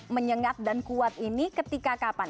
menyengat dan kuat ini ketika kapan